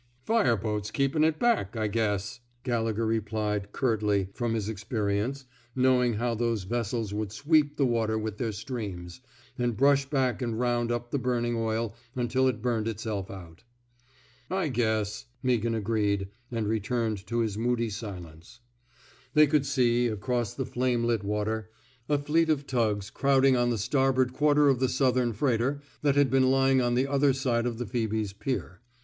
Fire boats keepin' it back, I guess," Gallegher replied, curtly, from his experi ence — knowing how those vessels would sweep the water with their streams, and brush back and round up the burning oil until it burned itself out. /* I guess," Meaghan agreed, and returned to his moody silence. They could see — across the flame lit water — a fleet of tugs crowding on the starboard quarter of the Southern freighter that had been lying on the other side of the Phoebe's pier.